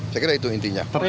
saya kira itu intinya